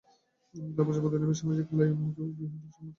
ধর্মমহাসভার প্রতিনিধিরূপে স্বামীজীকে lion পরিবারের গৃহে স্থান দেওয়া হয়।